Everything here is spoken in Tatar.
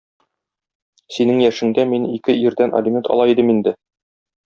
Синең яшеңдә мин ике ирдән алимент ала идем инде!